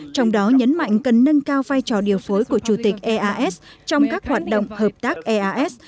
trong đó nhấn mạnh cần nâng cao vai trò điều phối của chủ tịch eas trong các hoạt động hợp tác eas